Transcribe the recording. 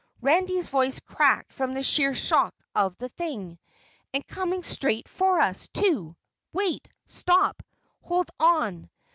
Randy's voice cracked from the sheer shock of the thing. "And coming straight for us, too. Wait! Stop! Hold on!